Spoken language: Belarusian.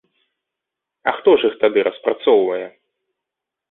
А хто ж іх тады распрацоўвае?